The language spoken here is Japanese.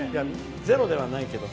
ゼロではないけど。